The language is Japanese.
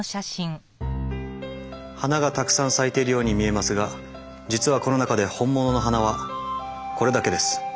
花がたくさん咲いているように見えますが実はこの中でホンモノの花はこれだけです。